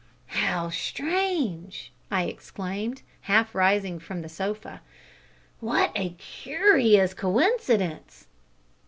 "How strange!" I exclaimed, half rising from the sofa. "What a curious coincidence!"